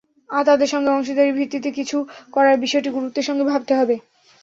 তাদের সঙ্গে অংশীদারির ভিত্তিতে কিছু করার বিষয়টি গুরুত্বের সঙ্গে ভাবতে হবে।